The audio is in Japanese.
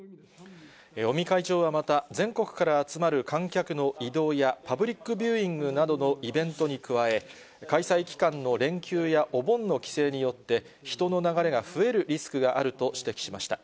尾身会長はまた、全国から集まる観客の移動や、パブリックビューイングなどのイベントに加え、開催期間の連休や、お盆の帰省によって、人の流れが増えるリスクがあると指摘しました。